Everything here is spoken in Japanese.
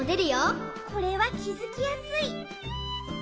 これはきづきやすい！